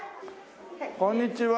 こんにちは。